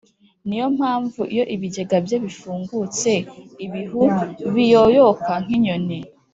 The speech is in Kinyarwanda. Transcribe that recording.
ni yo mpamvu iyo ibigega bye bifungutse, ibihu biyoyoka nk’inyoni.